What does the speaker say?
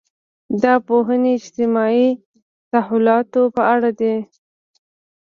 دا پوهنې اجتماعي تحولاتو په اړه دي.